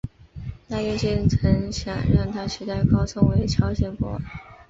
大院君曾想让他取代高宗为朝鲜国王。